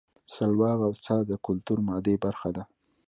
سلواغه او څا د کولتور مادي برخه ده